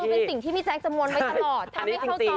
เป็นสิ่งที่พี่แจ๊คจะมวลไว้ตลอดถ้าไม่เข้าใจ